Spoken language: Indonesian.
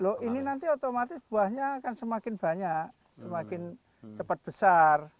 loh ini nanti otomatis buahnya akan semakin banyak semakin cepat besar